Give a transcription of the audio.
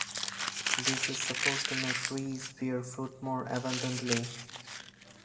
This is supposed to make trees bear fruit more abundantly.